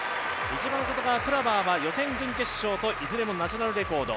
一番外側クラバーは予選、準決勝といずれもナショナルレコード。